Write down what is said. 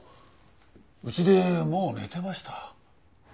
うちでもう寝てました。